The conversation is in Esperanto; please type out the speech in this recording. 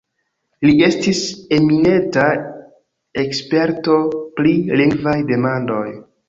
Li estis eminenta eksperto pri lingvaj demandoj.